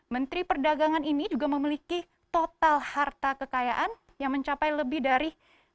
menteri perdagangan ini juga memiliki total harta kekayaan yang mencapai lebih dari